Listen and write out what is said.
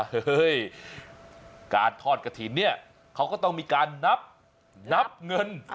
เฮ้ยการทอดกระถิ่นเนี่ยเขาก็ต้องมีการนับนับเงิน